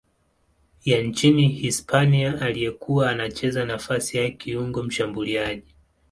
ya nchini Hispania aliyekuwa anacheza nafasi ya kiungo mshambuliaji.